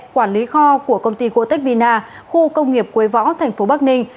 quản lý kho của công ty gotech vina khu công nghiệp quế võ tp bắc ninh